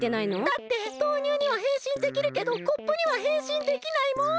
だって豆乳にはへんしんできるけどコップにはへんしんできないもん。